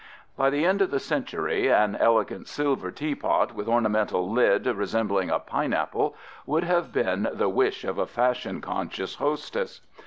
By the end of the century "an elegant silver tea pot with an ornamental lid, resembling a Pine apple" would have been the wish of a fashion conscious hostess.